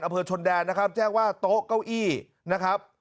อำเภอชนแดนนะครับแจ้งว่าโต๊ะเก้าอี้นะครับ